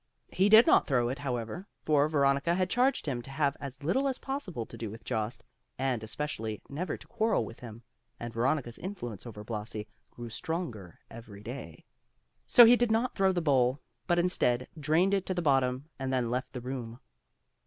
He did not throw it however, for Veronica had charged him to have as little as possible to do with Jost, and especially never to quarrel with him, and Veronica's influence over Blasi grew stronger every day. So he did not throw the bowl, but instead, drained it to the bottom and then left the room.